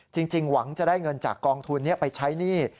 จริงหวังจะได้เงินจากกองทุนนี้ไปใช้หนี้